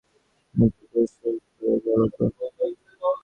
একটু পরিষ্কার করে বলো তো।